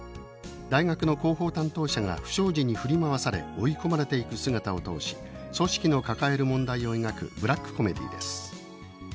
大学の広報担当者が不祥事に振り回され追い込まれていく姿を通し組織の抱える問題を描くブラックコメディーです。